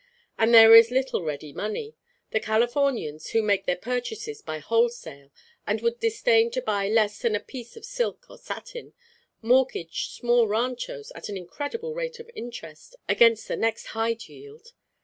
As there is little ready money, the Californians who make their purchases by the wholesale, and would disdain to buy less than a 'piece' of silk or satin mortgage small ranchos at an incredible rate of interest, against the next hide yield.